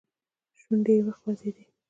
شونډې وخوځېدې.